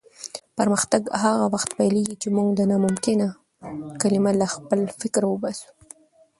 پرمختګ هغه وخت پیلېږي چې موږ د ناممکن کلمه له خپل فکره وباسو.